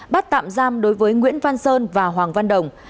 bắt tạm giam đối với nguyễn văn sơn và hoàng văn đồng